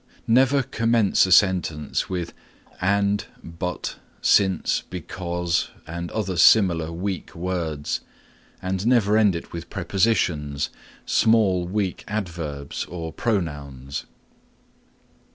Never commence a sentence with And, But, Since, Because, and other similar weak words and never end it with prepositions, small, weak adverbs or pronouns.